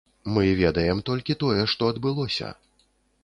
Мы ведаем толькі тое, што адбылося.